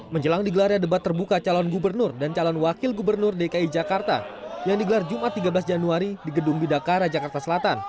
menjelang digelarnya debat terbuka calon gubernur dan calon wakil gubernur dki jakarta yang digelar jumat tiga belas januari di gedung bidakara jakarta selatan